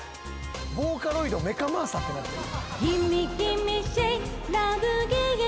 「ボーカロイドメカ真麻」ってなってる。